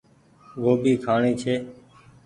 گوڀي کآڻي ڇي۔